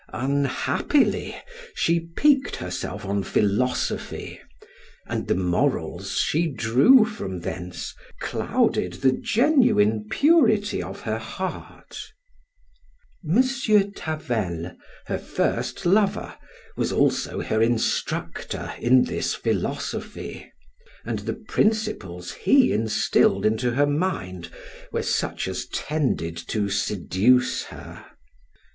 Unhappily, she piqued herself on philosophy, and the morals she drew from thence clouded the genuine purity of her heart. M. Tavel, her first lover, was also her instructor in this philosophy, and the principles he instilled into her mind were such as tended to seduce her.